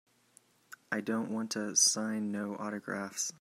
I don't wanta sign no autographs.